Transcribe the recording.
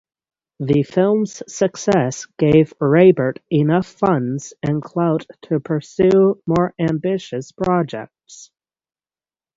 The film's success gave Raybert enough funds and clout to pursue more ambitious projects.